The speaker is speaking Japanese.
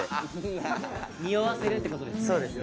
におわせるって事ですね。